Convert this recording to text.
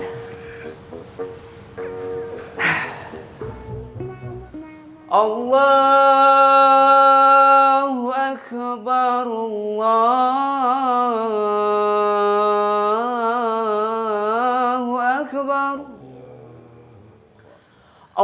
allahu akbar allahu akbar